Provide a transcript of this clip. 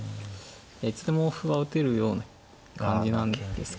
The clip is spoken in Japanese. いつでも歩は打てるような感じなんですけど